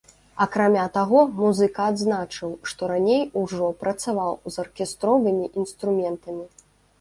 Акрамя таго, музыка адзначыў, што раней ужо працаваў з аркестровымі інструментамі.